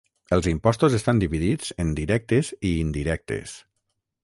Els impostos estan dividits en directes i indirectes.